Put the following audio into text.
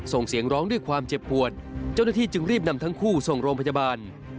ส่งเสียงร้องด้วยความเจ็บปวดเจ้าหน้าที่จึงรีบนำทั้งคู่ส่งโรงพยาบาล